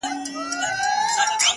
ښکار تازي کوي، خوشالي کوټه کوي.